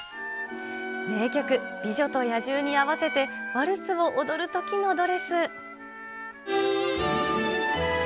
名曲、美女と野獣に合わせてワルツを踊るときのドレス。